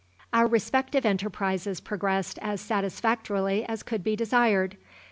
Our respective enterprises progressed as satisfactorily as could be desired.